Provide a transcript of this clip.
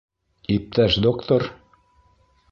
Иптәш доктор?